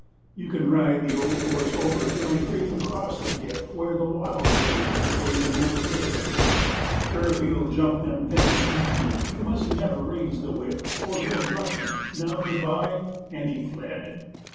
You can ride the old horse over to my grave across the dip Where the wattle bloom is waving overhead. Sure he'll jump them fences easy you must never raise the whip Or he'll rush 'em! now, good bye!' and he had fled!